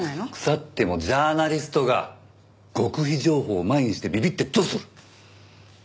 腐ってもジャーナリストが極秘情報を前にしてビビってどうする！